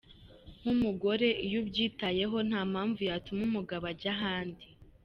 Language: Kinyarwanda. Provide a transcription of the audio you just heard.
Nk’umugore iyo ubyitayeho, nta mpamvu yatuma umugabo ajya ahandi.